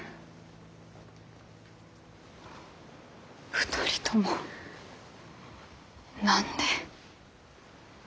２人とも何で。